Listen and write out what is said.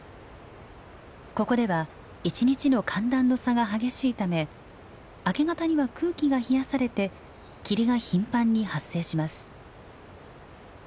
ここでは一日の寒暖の差が激しいため明け方には空気が冷やされて霧が頻繁に発生します。